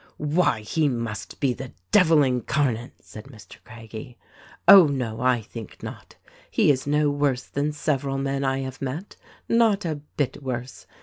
"Why, he must be the devil incarnate," said Mr. Craggie. "Oh, no, I think not ; he is no worse than several men I have met. Not a bit worse.